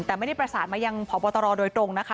แต่ไม่ได้ประสานมายังพบตรโดยตรงนะคะ